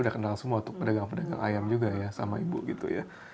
udah kenal semua untuk pedagang pedagang ayam juga ya sama ibu gitu ya